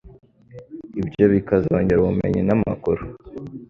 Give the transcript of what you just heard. Ibyo bikazongera ubumenyi n'amakuru